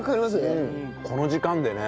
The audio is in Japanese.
この時間でね